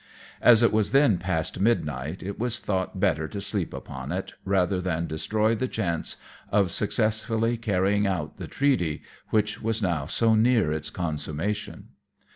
As it was then past midnight, it was thought better to sleep upon it, rather than destroy the chance of successfully carrying out the treaty, which was now so near its consummation.